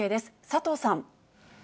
佐藤さん。